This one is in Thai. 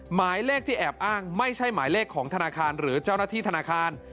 หมายเลขที่แอบอ้างไม่ใช่หมายเลขของธนาคารหรือเจ้าหน้าที่ธนาคาร